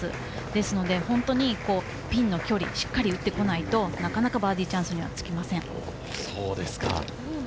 ですのでピンの距離、しっかり打ってこないとなかなかバーディーチャンスにはつきません。